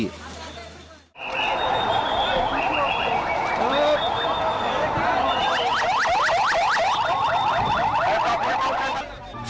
นั่นถนัดไปการขายสี